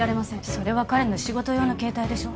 それは彼の仕事用の携帯でしょ？